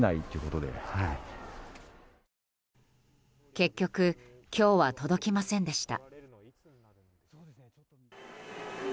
結局今日は届きませんでした。